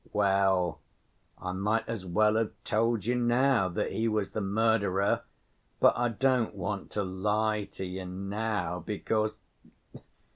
Well, I might as well have told you now that he was the murderer.... But I don't want to lie to you now, because